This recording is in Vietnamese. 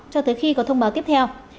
cho tới khi có thông báo tiếp theo